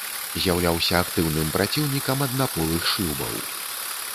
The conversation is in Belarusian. З'яўляўся актыўным праціўнікам аднаполых шлюбаў.